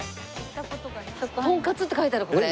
「とんかつ」って書いてあるこれ。